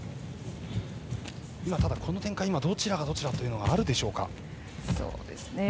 ただこの展開どちらがどちらというのはあるでしょうか。